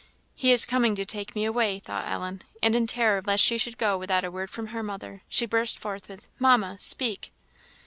"He is coming to take me away!" thought Ellen; and in terror lest she should go without a word from her mother, she burst forth with, "Mamma! speak!"